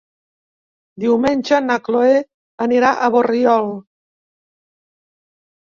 Diumenge na Cloè anirà a Borriol.